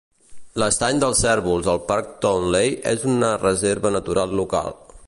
L'estany dels cérvols al Parc Towneley és una reserva natural local.